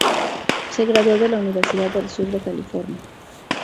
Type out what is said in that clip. Se graduó de la Universidad del Sur de California.